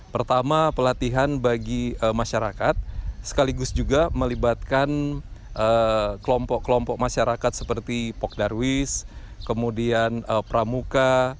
pertama pelatihan bagi masyarakat sekaligus juga melibatkan kelompok kelompok masyarakat seperti pok darwis kemudian pramuka